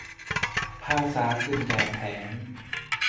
ภาษากึ่งแบบแผน